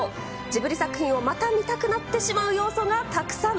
ジブリ作品をまた見たくなってしまう要素がたくさん。